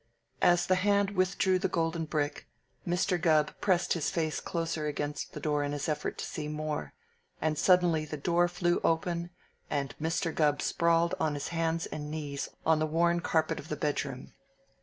As the hand withdrew the golden brick, Mr. Gubb pressed his face closer against the door in his effort to see more, and suddenly the door flew open and Mr. Gubb sprawled on his hands and knees on the worn carpet of the bedroom.